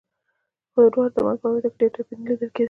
خو د دواړو ترمنځ په عوایدو کې ډېر توپیر نه لیدل کېده.